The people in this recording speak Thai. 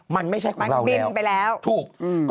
มันไม่ใช่ของเราแล้วถูก